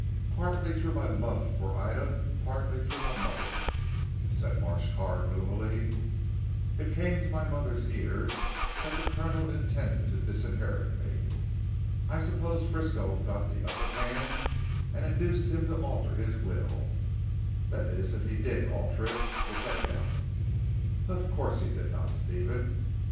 "Partly through my love for Ida, partly through my mother," said Marsh Carr gloomily. "It came to my mother's ears that the Colonel intended to disinherit me. I suppose Frisco got the upper hand and induced him to alter his will that is if he did alter it which I doubt." "Of course he did not Stephen.